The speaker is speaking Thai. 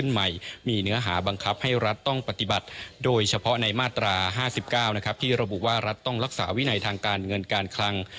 หลักษา๕๙ที่ระบุว่ารัฐต้องรักษาวินัยทางการเงินการคลัง